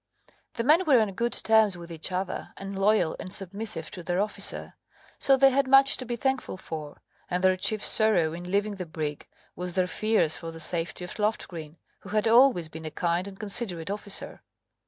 The men were on good terms with each other and loyal and submissive to their officer; so they had much to be thankful for, and their chief sorrow in leaving the brig was their fears for the safety of Loft green, who had always been a kind and considerate officer.